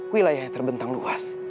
wilayah yang terbentang luas